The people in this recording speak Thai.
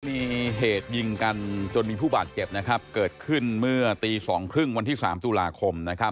มีเหตุยิงกันจนมีผู้บาดเจ็บเกิดขึ้นเมื่อตี๒๓๐วันที่๓ตุลาคม